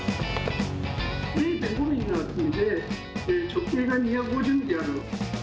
０．５ミリの厚みで直径が２５０ミリある。